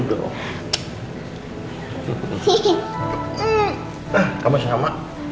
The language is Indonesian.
nah kamu sama